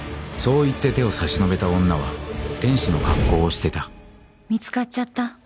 そう言って手を差し伸べた女は天使の格好をしてた見つかっちゃった。